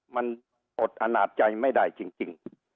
มันอดอนาจใจไม่ได้จริง